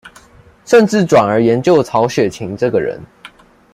甚至轉而研究曹雪芹這個人